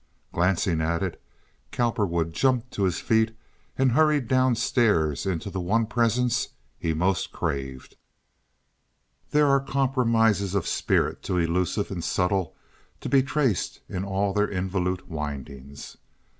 Glancing at it, Cowperwood jumped to his feet and hurried down stairs into the one presence he most craved. There are compromises of the spirit too elusive and subtle to be traced in all their involute windings.